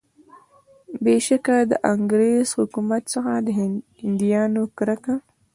بېشکه د انګریز حکومت څخه د هندیانو کرکه.